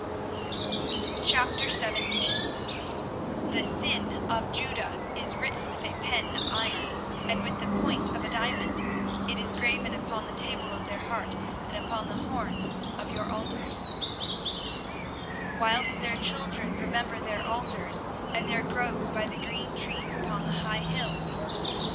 24:017:001 The sin of Judah is written with a pen of iron, and with the point of a diamond: it is graven upon the table of their heart, and upon the horns of your altars; 24:017:002 Whilst their children remember their altars and their groves by the green trees upon the high hills.